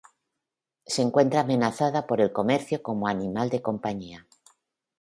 Se encuentra amenazada por el comercio como animal de compañía.